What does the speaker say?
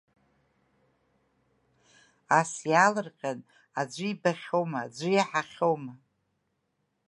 Ас иаалырҟьан аӡәы ибахьоума, аӡәи иаҳахьоума!